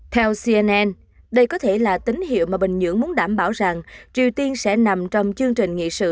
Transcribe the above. theo cnn đây có thể là tín hiệu mà bình nhưỡng muốn đảm bảo rằng triều tiên sẽ nằm trong chương trình nghị sự